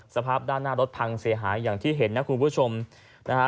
สภาพด้านหน้ารถพังเสียหายอย่างที่เห็นนะคุณผู้ชมนะฮะ